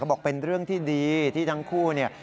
บอกเป็นเรื่องที่ดีที่ทั้งคู่เนี่ย